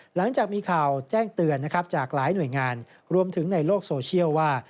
หลังจากมีข่าวแจ้งเตือนนะครับจากหลายหน่วยงานรวมถึงในโลกโซเชียลว่า